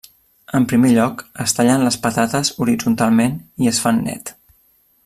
En primer lloc es tallen les patates horitzontalment i es fan net.